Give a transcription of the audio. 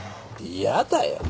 嫌だよ。